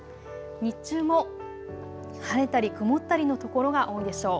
日中も晴れたり曇ったりの所が多いでしょう。